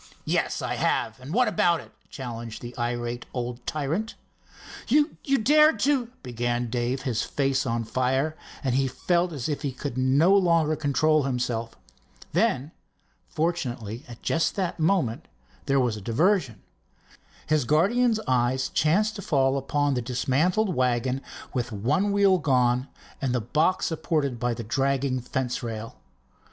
"Yes, I have. What about it?" challenged the irate old tyrant. "You dared to—" began Dave, his face on fire, and he felt as if he could no longer control himself. Then fortunately at just that moment there was a diversion. His guardian's eye chanced to fall upon the dismantled wagon with one wheel gone and the box supported by the dragging fence rail.